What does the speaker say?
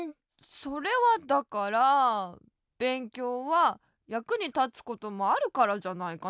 それはだからべんきょうはやくにたつこともあるからじゃないかな。